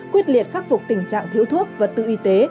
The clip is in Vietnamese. quyết liệt khắc phục tình trạng thiếu thuốc vật tư y tế